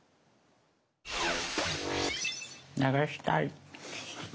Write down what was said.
流したい。